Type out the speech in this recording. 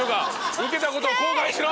受けたことを後悔しろ！